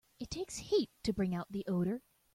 It takes heat to bring out the odor.